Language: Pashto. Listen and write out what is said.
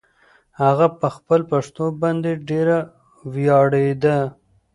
هغه په خپله پښتو باندې ډېره ویاړېده.